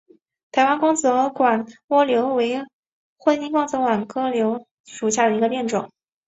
台湾光泽烟管蜗牛为烟管蜗牛科台湾烟管蜗牛属下的一个种。